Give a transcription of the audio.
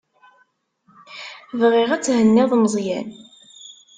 Bɣiɣ ad thenniḍ Meẓyan.